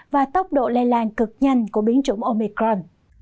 và tốc độ lây lan cực nhanh của biến chủng omicron